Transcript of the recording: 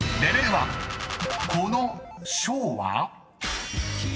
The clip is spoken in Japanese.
１この賞は？］